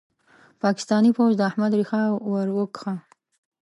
پاکستاني پوځ د احمد ريښه ور وکښه.